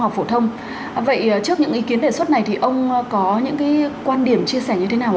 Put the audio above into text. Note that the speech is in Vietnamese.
học phổ thông vậy trước những ý kiến đề xuất này thì ông có những cái quan điểm chia sẻ như thế nào